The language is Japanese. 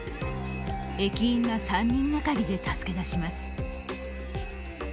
駅員が３人がかりで助け出します。